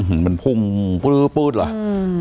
อื้อหือมันพุ่งปื๊ดปื๊ดเหรออือหือ